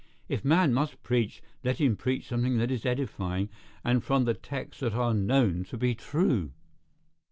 If man must preach, let him preach something that is edifying, and from the texts that are known to be true.